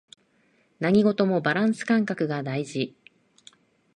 何事もバランス感覚が大事